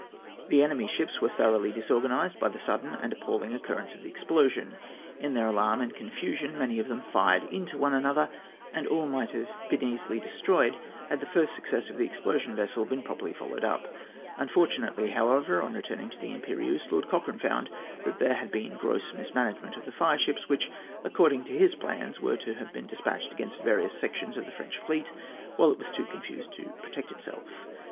The enemy's ships were thoroughly disorganised by the sudden and appalling occurrence of the explosion. In their alarm and confusion, many of them fired into one another, and all might have been easily destroyed had the first success of the explosion vessel been properly followed up. Unfortunately, however, on returning to the Impérieuse, Lord Cochrane found that there had been gross mismanagement of the fireships, which, according to his plans, were to have been despatched against various sections of the French fleet while it was too confused to protect itself.